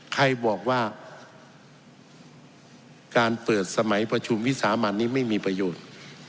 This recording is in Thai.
ใครบอกว่าการเปิดสมัยประชุมวิสามันนี้ไม่มีประโยชน์